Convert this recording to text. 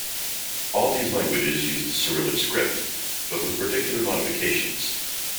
All these languages use the Cyrillic script, but with particular modifications.